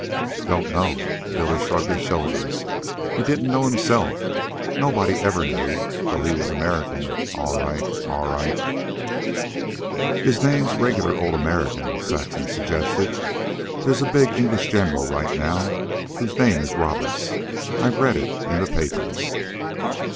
"Don't know." Billy shrugged his shoulders. "He didn't know himself. Nobody ever knew, though he was American, all right, all right." "His name's regular old American," Saxon suggested. "There's a big English general right now whose name is Roberts. I've read it in the papers."